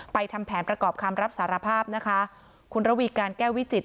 ทำแผนประกอบคำรับสารภาพนะคะคุณระวีการแก้ววิจิต